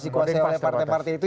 si kuasa oleh partai partai itu